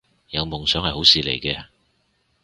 有夢想係好事嚟嘅